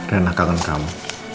rena kangen kamu